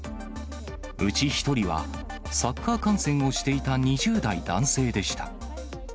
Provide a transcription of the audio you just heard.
うち１人はサッカー観戦をしていた２０代男性でした。